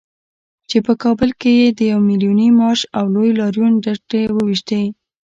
چې په کابل کې یې د يو ميليوني مارش او لوی لاريون ډرتې وويشتې.